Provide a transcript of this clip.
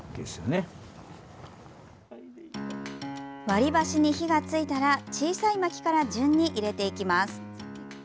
割り箸に火がついたら小さいまきから順に入れていきます。